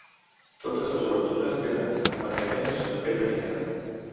Totes les obertures tenen emmarcaments de pedra picada.